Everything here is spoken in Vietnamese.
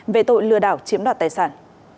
về tội lừa đảo chiếm đoạt tài sản